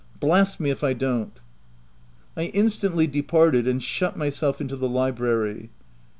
Blast me if I don't 1* I instantly departed, and shut myself into the library.